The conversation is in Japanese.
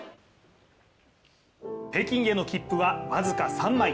北京への切符は、僅か３枚。